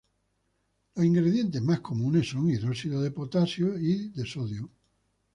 Los ingredientes más comunes son hidróxido de potasio y de sodio.